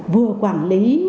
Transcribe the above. vừa quản lý